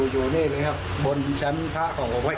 อยู่นี่เลยครับบนชั้นภาคของผม